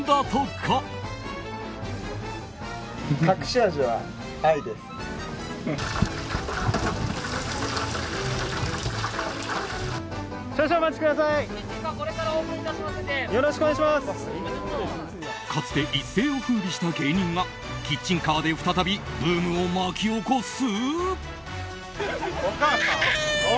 かつて一世を風靡した芸人がキッチンカーで再びブームを巻き起こす？